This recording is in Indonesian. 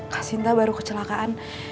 kak sinta baru kecelakaan